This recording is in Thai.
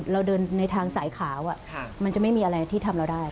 เราเดินในทางสายขาวมันจะไม่มีอะไรที่ทำเราได้